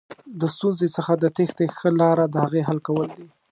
د ستونزې څخه د تېښتې ښه لاره دهغې حل کول دي.